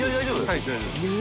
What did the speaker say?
はい大丈夫です。